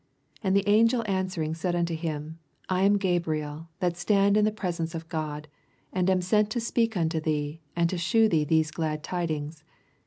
19 And the angel answering said unto him, 1 am Gabriel, that stand in the presence of God ; and am sent to speak nnto thee, and to shew thee these glad tidings.